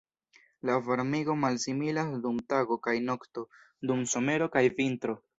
La varmigo malsimilas dum tago kaj nokto, dum somero kaj vintro.